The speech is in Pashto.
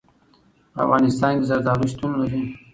په افغانستان کې زردالو شتون لري.